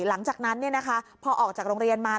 หลังจากนั้นพอออกจากโรงเรียนมา